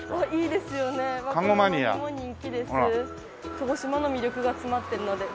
鹿児島の魅力が詰まってるのでどうぞ。